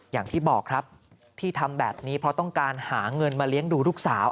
อย่างที่บอกครับที่ทำแบบนี้เพราะต้องการหาเงินมาเลี้ยงดูลูกสาว